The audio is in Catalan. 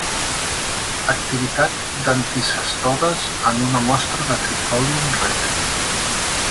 Activitat d'anticestodes en una mostra de trifolium repens.